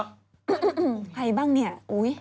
ผ่านใหม่เครื่องเข้าใคร่ง่าย